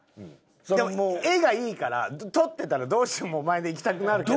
でも画がいいから撮ってたらどうしてもお前でいきたくなるけど。